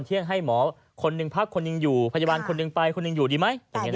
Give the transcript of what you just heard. ชี้แจงเหตุผลว่าเพราะอะไรล่ะ